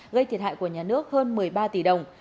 gây thiệt hại của nhà nước hơn một mươi ba tỷ đồng